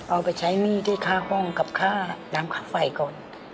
เอาไปใช้หนี้ที่ค่าห้องกับค่าน้ำค่าไฟก่อน